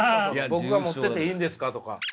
「僕が思ってていいんですか」とか。